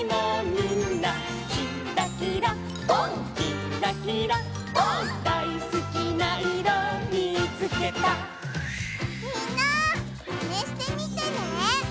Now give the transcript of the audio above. みんなマネしてみてね！